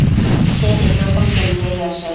সে একরকম চলিয়াই আসে।